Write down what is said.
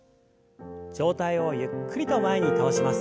上体をゆっくりと前に倒します。